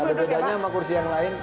ada bedanya sama kursi yang lain